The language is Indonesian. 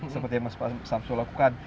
seperti yang mas samsul lakukan